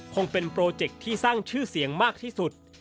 คงเป็นโปรเจคที่สร้างชื่อเสียงมากที่สุด